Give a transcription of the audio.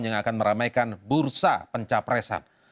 yang akan meramaikan bursa pencapresan